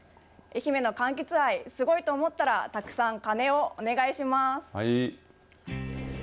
愛媛のかんきつ愛すごいと思ったらたくさん鐘をお願いします。